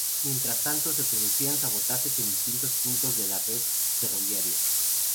Mientras tanto, se producían sabotajes en distintos puntos de la red ferroviaria.